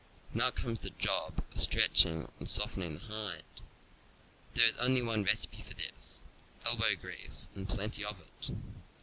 Now comes the job of stretching and softening the hide. There is only one recipe for this: elbow grease Softeninff the ^^^ plenty of it.